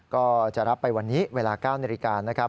ก็จะรับไปวันนี้เวลา๙นาฬิกานะครับ